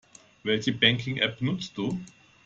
Welche Banking-App nutzt du?